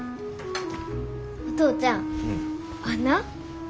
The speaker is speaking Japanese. お父ちゃんあんな。